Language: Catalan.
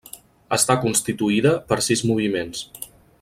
Està constituïda per sis moviments.